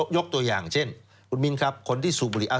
ยกตัวอย่างเช่นคุณมินครับคนที่สูบบุหรี่